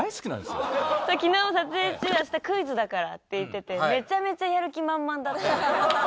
昨日撮影中「明日クイズだから」って言っててめちゃめちゃやる気満々だったんです。